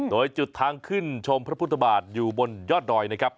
โดยจุดทางขึ้นชมพระพุทธบาทอยู่บนยอดดอยนะครับ